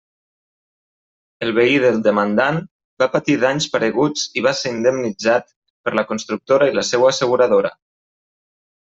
El veí del demandant va patir danys pareguts i va ser indemnitza per la constructora i la seua asseguradora.